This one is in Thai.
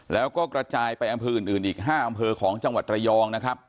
แล้วก็กระจายไปอำเภออื่นอีก๕อำเภอของจังหวัดระยองนะครับ